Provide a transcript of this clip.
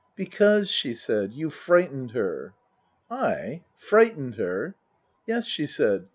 Because," she said, " you frightened her." " I ? Frightened her ?"" Yes," she said.